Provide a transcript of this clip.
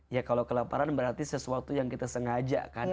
ya kalau kelaparan berarti sesuatu yang kita sengaja kan